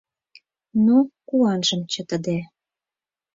Но, куанжым чытыде